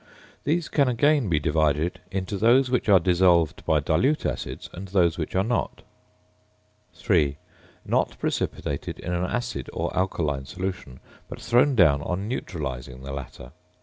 These can again be divided into those which are dissolved by dilute acids and those which are not. 3. _Not precipitated in an acid or alkaline solution, but thrown down on neutralising the latter.